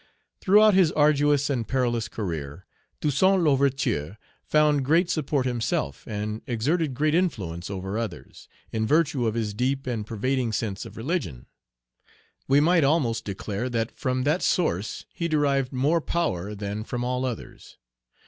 Throughout his arduous and perilous career, Toussaint L'Ouverture found great support himself, and exerted great influence over others, in virtue of his deep and pervading sense of religion. We might almost declare that from that source he derived more power than from all others.